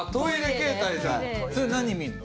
それ何見るの？